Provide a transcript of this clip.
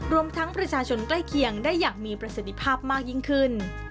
รวมทั้งประชาชนใกล้เคียงได้อย่างมีประสิทธิภาพมากยิ่งขึ้น